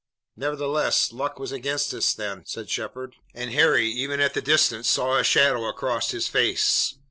"Nevertheless, luck was against us then," said Shepard, and Harry, even at the distance, saw a shadow cross his face.